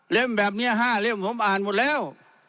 แบบนี้๕เล่มผมอ่านหมดแล้ว